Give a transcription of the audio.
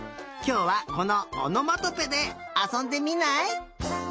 きょうはこのおのまとぺであそんでみない？